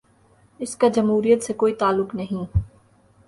اس کا جمہوریت سے کوئی تعلق نہیں۔